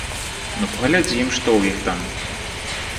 Ну паглядзім, што ў іх там!